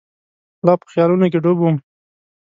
لا په خیالونو کې ډوب وم.